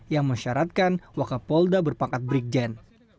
yang mensyaratkan wakapolda berpangkat brigjen